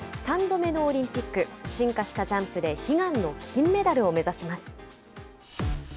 ３度目のオリンピック進化したジャンプで悲願の金メダルを目指します。